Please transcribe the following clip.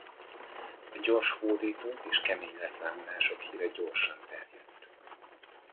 A gyors hódítások és kemény leszámolások híre gyorsan terjedt.